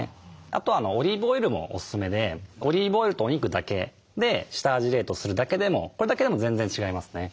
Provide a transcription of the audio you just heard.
あとオリーブオイルもおすすめでオリーブオイルとお肉だけで下味冷凍するだけでもこれだけでも全然違いますね。